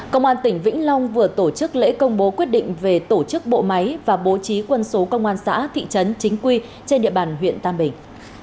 công an tỉnh vĩnh long vừa tổ chức lễ công bố quyết định về tổ chức bộ máy và bố trí quân số công an xã thị trấn chính quy trên địa bàn huyện tam bình